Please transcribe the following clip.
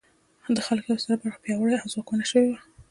د خلکو یوه ستره برخه پیاوړې او ځواکمنه شوې وه.